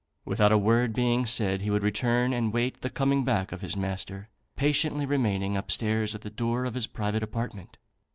Without a word being said, he would return and wait the coming back of his master, patiently remaining up stairs at the door of his private apartment.